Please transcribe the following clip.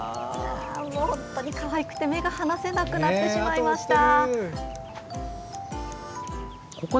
本当にかわいくて、目が離せなくなってしまいました。